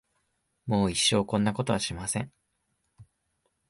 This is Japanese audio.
もう一生こんなことはしません。